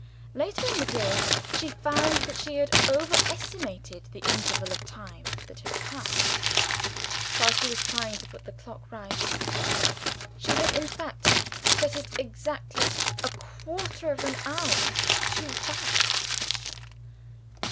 Later in the day, she found that she had over estimated the interval of time that had passed while she was trying to put the clock right. She had, in fact, set it exactly _a quarter of an hour too fast.